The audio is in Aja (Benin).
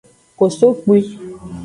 Kosokpwi.